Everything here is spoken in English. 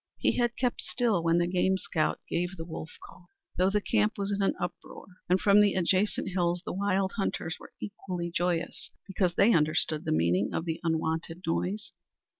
He had kept still when the game scout gave the wolf call, though the camp was in an uproar, and from the adjacent hills the wild hunters were equally joyous, because they understood the meaning of the unwonted noise.